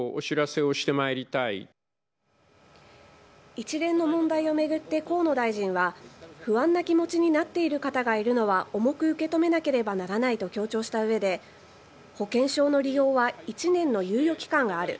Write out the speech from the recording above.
一連の問題を巡って河野大臣は不安な気持ちになっている方がいるのは、重く受け止めなければならないと強調した上で保険証の利用は１年の猶予期間がある。